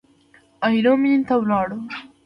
عینو مېنې ته ولاړو.